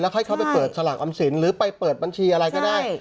แล้วให้เข้าไปเปิดสลักอำสินหรือไปเปิดบัญชีอะไรก็ได้ใช่